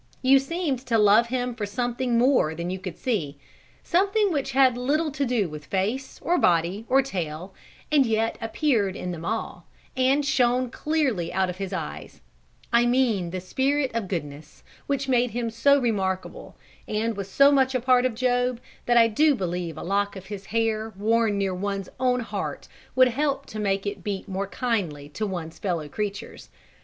You seemed to love him for something more than you could see, something which had little to do with face, or body, or tail, and yet appeared in them all, and shone clearly out of his eyes; I mean the spirit of goodness, which made him so remarkable, and was so much a part of Job, that I do believe a lock of his hair worn near one's own heart would help to make it beat more kindly to one's fellow creatures.